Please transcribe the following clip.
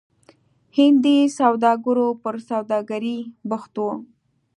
هندي سوداګرو پر سوداګرۍ بوخت وو.